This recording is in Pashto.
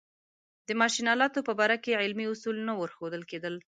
د ماشین آلاتو په باره کې علمي اصول نه ورښودل کېدل.